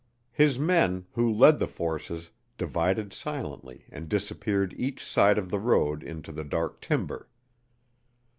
His men, who led the forces, divided silently and disappeared each side of the road into the dark timber.